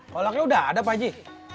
kolaknya udah ada pakji